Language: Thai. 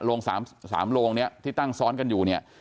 ๓โรงนี้ที่ตั้งซ้อนกันอยู่เนี่ย